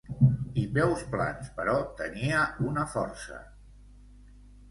I peus plans, però tenia una força…!